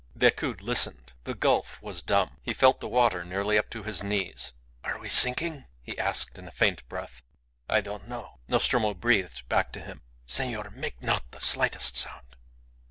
Decoud listened. The gulf was dumb. He felt the water nearly up to his knees. "Are we sinking?" he asked in a faint breath. "I don't know," Nostromo breathed back to him. "Senor, make not the slightest sound."